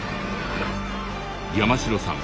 山城さん